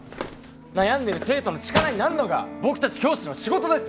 悩んでる生徒の力になるのが僕たち教師の仕事です！